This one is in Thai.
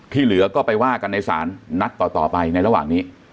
เหลือก็ไปว่ากันในศาลนัดต่อไปในระหว่างนี้